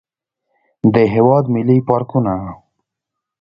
د هېواد ملي پارکونه.